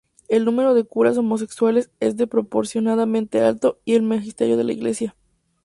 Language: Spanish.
El número de curas homosexuales es desproporcionadamente alto y el magisterio de la Iglesia.